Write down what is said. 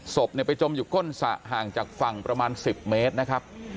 ศพไปจมอยู่ก้นสระห่างจากฝั่งประมาณ๑๐เมตรนะครับ